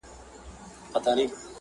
په خوب وینم چي زامن مي وژل کیږي!.